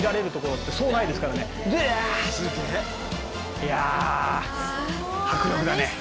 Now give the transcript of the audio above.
いや迫力だね